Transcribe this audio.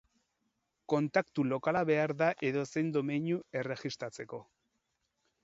Kontaktu lokala behar da edozein domeinu erregistratzeko.